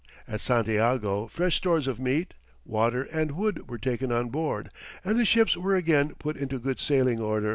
At Santiago fresh stores of meat, water, and wood were taken on board, and the ships were again put into good sailing order.